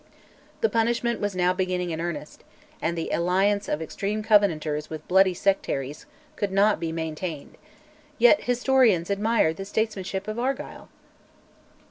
The punishment was now beginning in earnest, and the alliance of extreme Covenanters with "bloody sectaries" could not be maintained. Yet historians admire the statesmanship of Argyll!